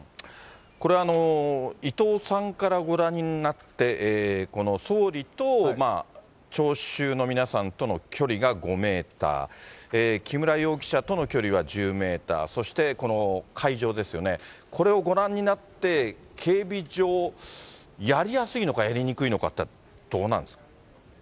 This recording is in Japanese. これ、伊藤さんからご覧になって、総理と聴衆の皆さんとの距離が５メーター、木村容疑者との距離は１０メーター、そしてこの会場ですよね、これをご覧になって、警備上、やりやすいのかやりにくいのかっていったらどうなんですか？